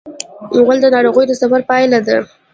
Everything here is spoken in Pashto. غول د ناروغ د سفر پایله ده.